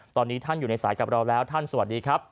ตอนนี้ท่านอยู่ในสายกับเราแล้วท่านสวัสดีครับ